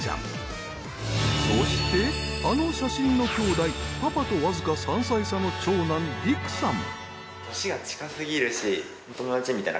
そしてあの写真のきょうだいパパとわずか３歳差の長男璃育さん。